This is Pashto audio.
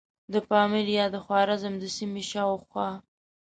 د پامیر یا د خوارزم د سیمې شاوخوا.